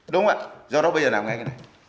đúng không ạ do đó bây giờ làm ngay cái này